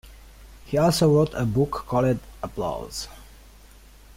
He also wrote a book called "Applause".